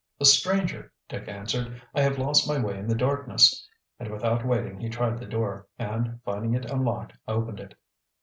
"A stranger," Dick answered. "I have lost my way in the darkness," and without waiting he tried the door, and finding it unlocked, opened it.